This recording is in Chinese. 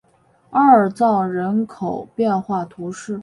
阿尔藏人口变化图示